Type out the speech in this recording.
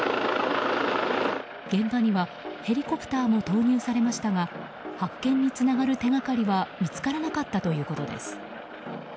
現場にはヘリコプターも投入されましたが発見につながる手がかりは見つからなかったということです。